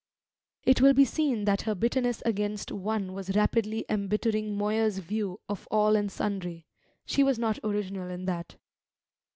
It will be seen that her bitterness against one was rapidly embittering Moya's view of all and sundry. She was not original in that.